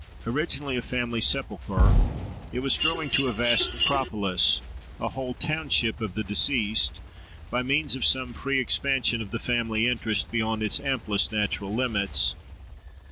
Originally a family sepulchre, it was growing to a vast necropolis, a whole township of the deceased, by means of some free expansion of the family interest beyond its amplest natural limits.